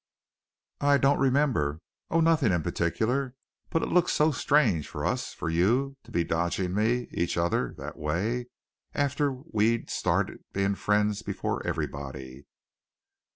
"I don't remember oh, nothing in particular. But it looks so strange for us for you to be dodging me each other that way, after we'd started being friends before everybody."